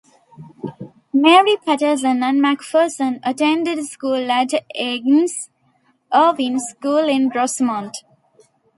Mary Patterson McPherson attended school at Agnes Irwin School in Rosemont.